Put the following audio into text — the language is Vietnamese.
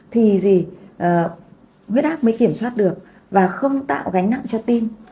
thì huyết áp mới kiểm soát được và không tạo gánh nặng cho tim